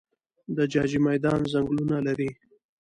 د جاجي میدان ځنګلونه لري